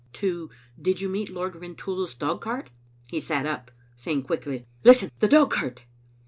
To "Did you meet Lord Rintoul's dogcart?" he sat up, saying quickly : "Listen, the dogcart!"